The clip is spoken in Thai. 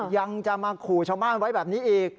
ยังจะมาขู่ชาวบ้านไว้แบบนี้อีก